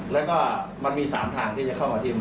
แล้วก็มันมี๓ทางมันจะเข้ามาที่เห็น